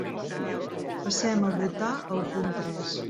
Passem a votar el punt tres.